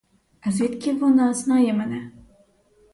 А звідки вона знає мене?